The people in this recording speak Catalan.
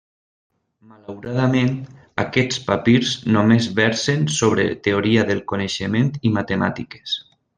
Malauradament, aquests papirs només versen sobre Teoria del Coneixement i Matemàtiques.